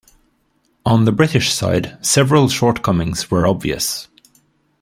On the British side, several shortcomings were obvious.